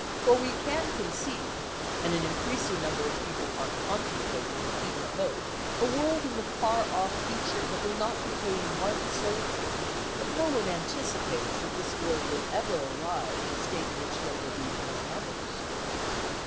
For we can conceive, and an increasing number of people are contemplating with eager hope, a world in the far off future that will not contain one soldier; but no one anticipates that this world will ever arrive at a state in which there will be no mothers.